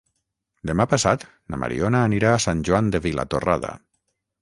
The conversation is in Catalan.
Demà passat na Mariona anirà a Sant Joan de Vilatorrada.